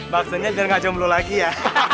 maksudnya jangan ngacau melulu lagi ya